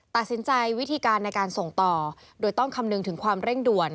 ตัดสินใจวิธีการในการส่งต่อโดยต้องคำนึงถึงความเร่งด่วน